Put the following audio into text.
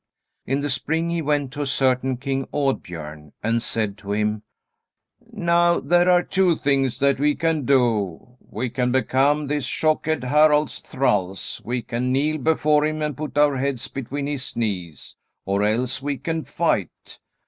In the spring he went to a certain king, Audbiorn, and said to him: "Now, there are two things that we can do. We can become this Shockhead Harald's thralls, we can kneel before him and put our heads between his knees. Or else we can fight.